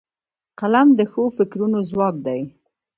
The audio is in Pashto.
قلم د ښو فکرونو ځواک دی